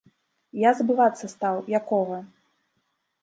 Я забывацца стаў, якога.